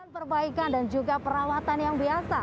perbaikan dan juga perawatan yang biasa